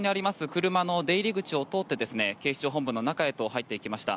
車の出入り口を通って警視庁本部の中へと入っていきました。